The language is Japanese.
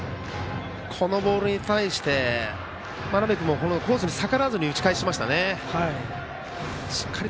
このボールに対して真鍋君もコースに逆らわず打ち返しました。